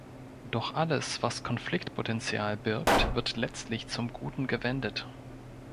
Doch alles, was Konfliktpotenzial birgt, wird letztlich zum Guten gewendet.